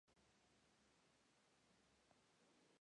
Es la iglesia más grande de la villa, construida en piedra y ladrillo.